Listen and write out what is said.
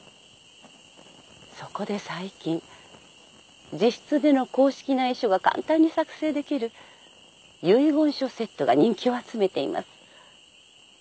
そこで最近自筆での公式な遺書が簡単に作成できる遺言書セットが人気を集めています。